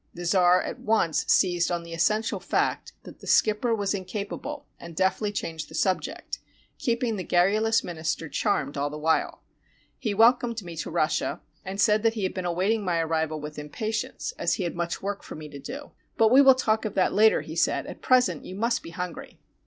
The czar at once seized on the essential fact that the skipper was inca pable and deftly changed the subject, keeping the garru lous minister charmed all the while. He welcomed me to Russia and said that he had been awaiting my arrival with impatience, as he had much work for me to do. I02 SUPPOSED LETTER FROM AN ARCHITECT "But we will talk of that later," he said; "at present you must be hungry."